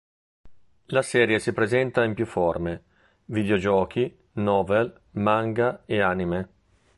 La serie si presenta in più forme: videogiochi, novel, manga e anime.